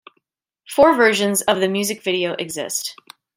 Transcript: Four versions of the music video exist.